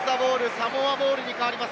サモアボールに変わります。